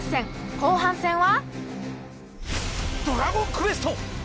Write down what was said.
後半戦は。